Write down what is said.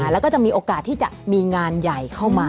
แล้วก็จะมีโอกาสที่จะมีงานใหญ่เข้ามา